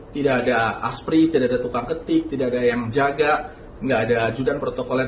tidak ada aspri tidak ada tukang ketik tidak ada yang jaga tidak ada ajudan protokoler